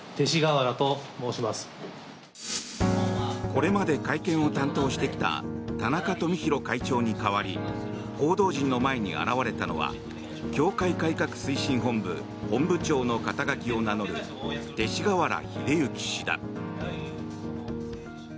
これまで会見を担当してきた田中富広会長に代わり報道陣の前に現れたのは教会改革推進本部本部長の肩書を名乗る勅使河原秀行氏だ。